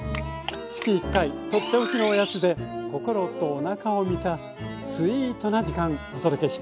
月１回取って置きのおやつで心とおなかを満たすスイートな時間お届けします。